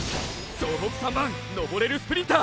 総北３番登れるスプリンター！！